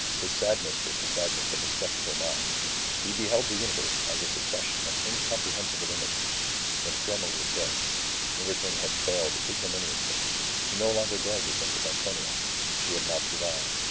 His sadness was the sadness of a sceptical mind. He beheld the universe as a succession of incomprehensible images. Nostromo was dead. Everything had failed ignominiously. He no longer dared to think of Antonia. She had not survived.